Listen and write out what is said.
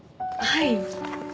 はい。